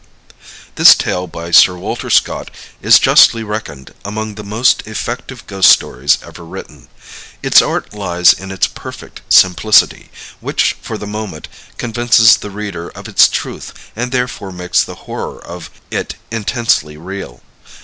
This tale by Sir Walter Scott is justly reckoned among the most effective ghost stories ever written. Its art lies in its perfect simplicity, which for the moment convinces the reader of its truth and therefore makes the horror of it intensely real.